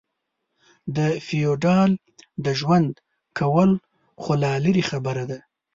د فېوډال د ژوند کول خو لا لرې خبره ده.